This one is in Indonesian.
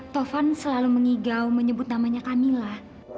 taufan selalu mengigau menyebut namanya kamila